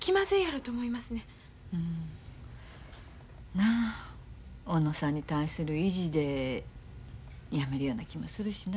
なあ小野さんに対する意地でやめるような気もするしな。